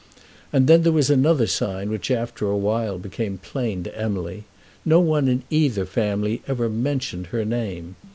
And then there was another sign which after a while became plain to Emily. No one in either family ever mentioned her name.